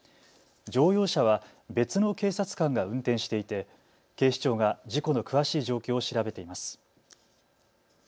乗用車は別の警察官が運転していて警視庁が事故の詳しい状況を調べています。